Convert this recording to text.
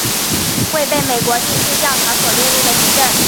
未被美国地质调查所列入的地震